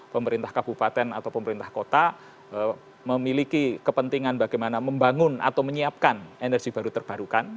pemerintah kabupaten atau pemerintah kota memiliki kepentingan bagaimana membangun atau menyiapkan energi baru terbarukan